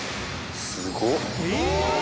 すごっ！